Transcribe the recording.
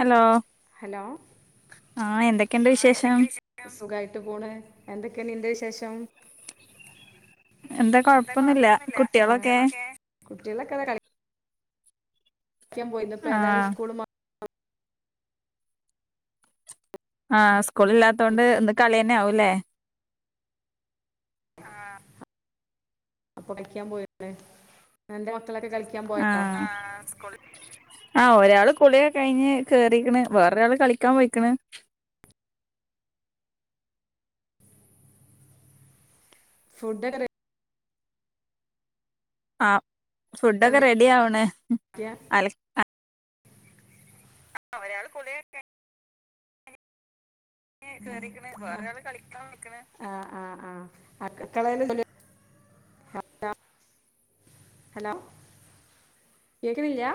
hello hello ആഹ് എന്തൊക്കെയുണ്ട് ആഹ് വിശേഷം എന്തെക്ക്യാ വിശേഷം സുഖായിട്ട് പോണ് എന്തൊക്കെയാ നീന്റെ വിശേഷം എന്തേ കൊഴപ്പൊന്നുല്ല കുട്ടിയളൊക്കെ കുട്ടിളെക്കേ അതാ കളി പളക്കാ പോയിന്ന് ഇപ്പോ ഏതായും ആഹ് സ്കുള് മാ ആഹ് സ്കൂളില്ലാത്തോണ്ട് ഇന്ന് കളിന്നെ ആവൂല്ലേ അപ്പൊ കളിക്കാൻ [unintelligible] അൻ്റെ മക്കളൊക്കെ കളിക്കാൻ പോയേന്നോ ആഹ് ആഹ് ഒരാള് കുളിയൊക്കേ കഴിഞ്ഞ് കേറിക്ക്ണ് വേറൊരാള് കളിക്കാൻ പോയിക്ക്ണ് ഫുഡോക്കെ റെ ആഹ് ഫുഡൊക്കെ റെഡിയാക്കാൻ റെഡിയാവ്ണ് നിക്കാ അല ആഹ് ഒരാള് കുളിയൊക്കെ ങ്ങ് കേറീക്ക്ണ് വേറൊരാള് കളിക്കാൻ പെയ്ക്ക്ണ് ആഹ് ആഹ് ആഹ് [unintelligible] [unintelligible] ഹലോ കേക്ക്ണില്ല്യാ